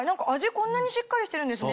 こんなにしっかりしてるんですね。